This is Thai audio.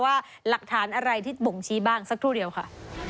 ว่าหลักฐานอะไรที่บ่งชี้บ้างสักครู่เดียวค่ะ